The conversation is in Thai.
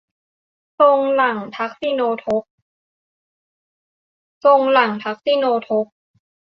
ทรงหลั่งทักษิโณทก